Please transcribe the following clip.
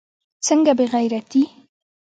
څنگه بې غيرتي.